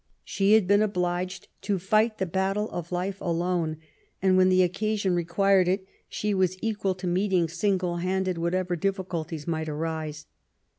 She had been obliged to fight the battle of life alone^ and^ when the occasion required it, she was equal to meeting single handed whatever difficulties might arise.